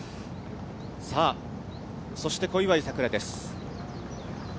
さあ、そして小祝さくらです。